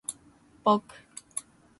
ぼく